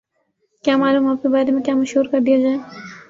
کیا معلوم آپ کے بارے میں کیا مشہور کر دیا جائے؟